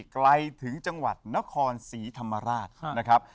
ไกลถึงจังหวัดนครศรีธรรมราชนะครับ